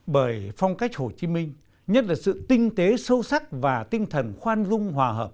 bởi phong cách hồ chí minh nhất là sự tinh tế sâu sắc và tinh thần khoan dung hòa hợp